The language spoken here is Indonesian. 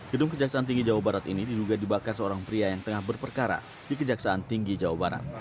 gedung kejaksaan tinggi jawa barat ini diduga dibakar seorang pria yang tengah berperkara di kejaksaan tinggi jawa barat